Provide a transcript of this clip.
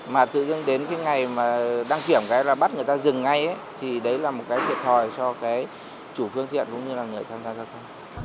mà tự dưng đến cái ngày mà đăng kiểm hay là bắt người ta dừng ngay thì đấy là một cái thiệt thòi cho cái chủ phương tiện cũng như là người tham gia giao thông